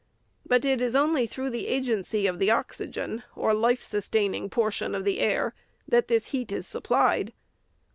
But it is only through the agency of the oxygen, or life sustaining por tion of the air, that this heat is supplied.